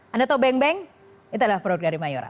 anda tahu beng beng itu adalah produk dari mayora